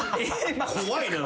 怖いな。